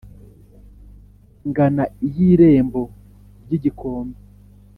Ngana iy’Irembo ry’Igikombe